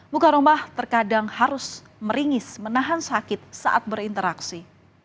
muka rumah terkadang harus meringis menahan sakit saat berinteraksi